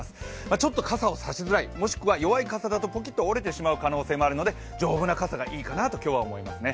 ちょっと傘をさしづらい、もしくは弱い傘だとポキッと折れてしまう可能性もあるので丈夫な傘がいいかなと今日は思いますね。